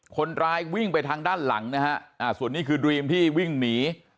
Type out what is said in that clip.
คนร้ายวิ่งไปทางด้านหลังนะฮะส่วนนี้คือดรีมที่วิ่งหนี